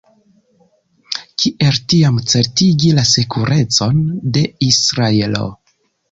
Kiel tiam certigi la sekurecon de Israelo?